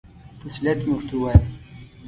تسلیت مې ورته ووایه.